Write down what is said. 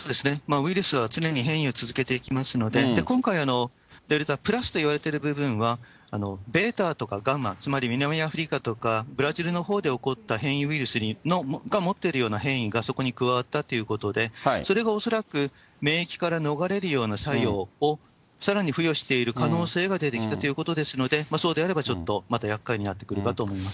ウイルスは常に変異を続けていきますので、今回、デルタプラスといわれている部分は、ベータとかガンマ、つまり南アフリカとか、ブラジルのほうで起こった変異ウイルスが持ってるような変異がそこに加わったということで、それが恐らく、免疫から逃れるような作用を、さらに付与している可能性が出てきたということですので、そうであればちょっと、またやっかいになってくるかと思います。